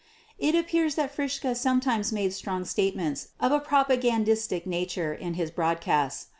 It appears that Fritzsche sometimes made strong statements of a propagandistic nature in his broadcasts.